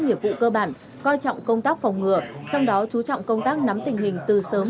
nghiệp vụ cơ bản coi trọng công tác phòng ngừa trong đó chú trọng công tác nắm tình hình từ sớm